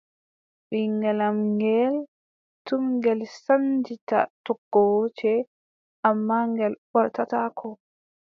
Ɓiŋngel am ngeel, tum ngel sannjita toggooje, ammaa ngel ɓortataako.